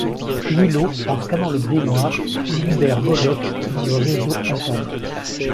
Willow, en scannant le grimoire, libère Moloch dans le réseau Internet.